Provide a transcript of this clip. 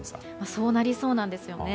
そうなりそうなんです。